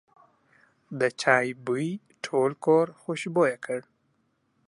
د چای بوی ټول کور خوشبویه کړ.